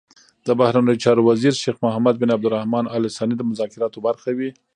د بهرنیو چارو وزیر شیخ محمد بن عبدالرحمان ال ثاني د مذاکراتو برخه وي.